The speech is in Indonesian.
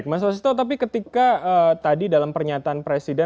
mas wasisto tapi ketika tadi dalam pernyataan presiden